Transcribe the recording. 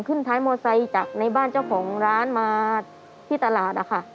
ขึ้นท้ายมอไซค์จากในบ้านเจ้าของร้านมาที่ตลาดนะคะ